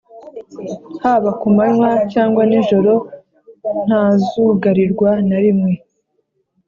haba ku manywa cyangwa nijoro ntazugarirwa na rimwe,